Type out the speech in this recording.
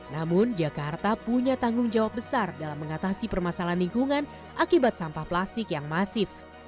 namun jakarta punya tanggung jawab besar dalam mengatasi permasalahan lingkungan akibat sampah plastik yang masif